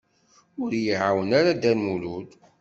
Ur y-iɛawen ara Dda Lmulud.